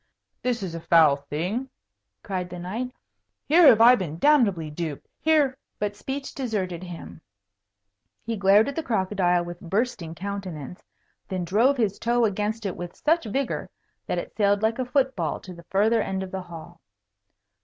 "This is a foul thing!" cried the knight. "Here have I been damnably duped. Here " but speech deserted him. He glared at the crocodile with a bursting countenance, then drove his toe against it with such vigour that it sailed like a foot ball to the farther end of the hall.